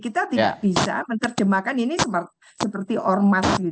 kita tidak bisa menerjemahkan ini seperti ormas